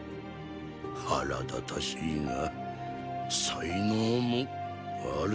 腹立たしいが才能もある。